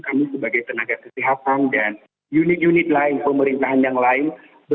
kami sebagai tenaga kesehatan dan unit unit lain pemerintahan yang lain